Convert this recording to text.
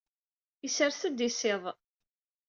Isers-d isiḍ.